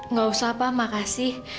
nggak usah pak makasih